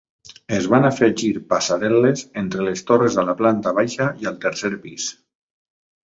Es van afegir passarel·les entre les torres a la planta baixa i al tercer pis.